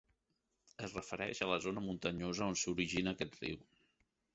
Es refereix a la zona muntanyosa on s'origina aquest riu.